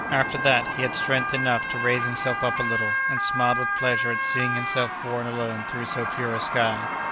After that, he had strength enough to raise himself up a little, and smiled with pleasure at seeing himself borne along through so pure a sky.